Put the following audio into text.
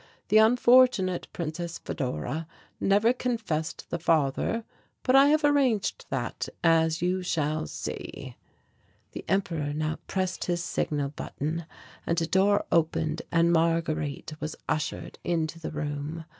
The unfortunate Princess Fedora never confessed the father. But I have arranged that, as you shall see." The Emperor now pressed his signal button and a door opened and Marguerite was ushered into the room.